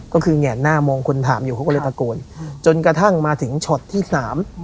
ก็คือแหงหน้ามองคนถามอยู่เขาก็เลยตะโกนจนกระทั่งมาถึงช็อตที่สาม